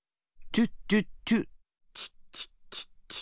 チュッチュッチュッ。